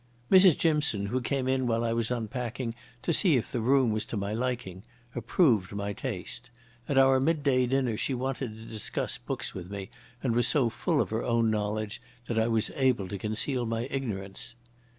Mrs Jimson, who came in while I was unpacking to see if the room was to my liking, approved my taste. At our midday dinner she wanted to discuss books with me, and was so full of her own knowledge that I was able to conceal my ignorance.